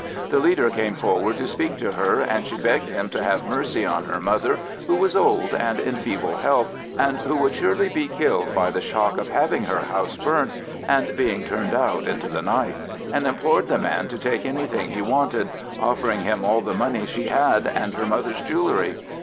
The leader came forward to speak to her, and she begged him to have mercy on her mother, who was old and in feeble health, and who would surely be killed by the shock of having her house burnt and being turned out into the night; and implored the man to take anything he wanted, offering him all the money she had and her mother's jewellery.